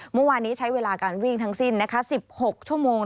เมื่อวานนี้ใช้เวลาการวิ่งทั้งสิ้นนะคะ๑๖ชั่วโมง